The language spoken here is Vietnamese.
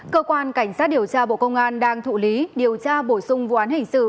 cơ quan cảnh sát điều tra bộ công an đang thụ lý điều tra bổ sung vụ án hình sự